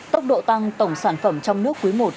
tốc độ tăng tổng sản phẩm trong nước quý i